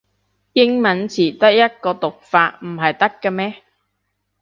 英文詞得一個讀法唔係得咖咩